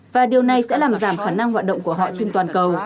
và điều này sẽ làm giảm khả năng quân sự